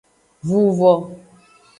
Vuvo.